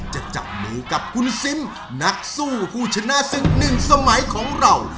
จะจับมือกับคุณซิมนักสู้ผู้ชนะศึกหนึ่งสมัยของเรา